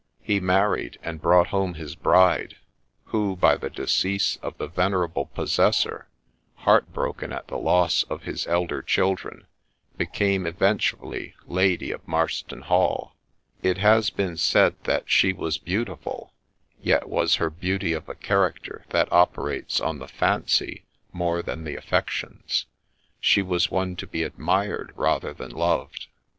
He married, and brought home his bride : who, by the decease of the venerable possessor, heart broken at the loss of his elder children, became eventually lady of Marston Hall. It has been said that she was beautiful, yet was her beauty of a character that operates on the fancy more than the affections ; she was one to be admired rather than loved.